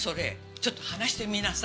ちょっと話してみなさいよ